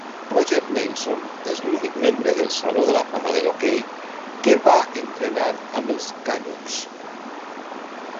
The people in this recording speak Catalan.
Roger Neilson és l'únic membre del Saló de la Fama d'Hoquei que va entrenar amb els Canucks.